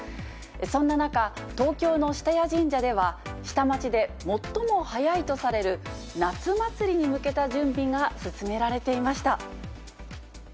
そんな中、東京の下谷神社では、下町で最も早いとされる夏祭りに向けた準備が進められていました。